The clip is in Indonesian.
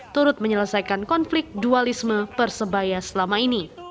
turut menyelesaikan konflik dualisme persebaya selama ini